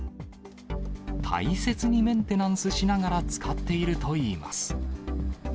大切にメンテナンスしながら使っているといいます。